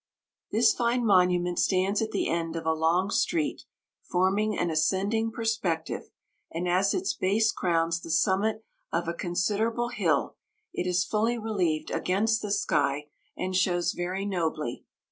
This fine monument stands at the end of a long street, forming an ascending perspective; and as its base crowns the summit of a considerable hill, it is fully relieved against the sky, and shows very nobly.